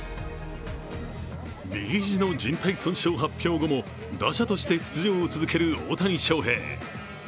右肘のじん帯損傷発表後も打者として出場を続ける大谷翔平。